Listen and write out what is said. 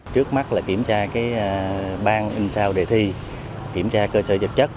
trước mắt là kiểm tra cái bang in sao để thi kiểm tra cơ sở dịch chất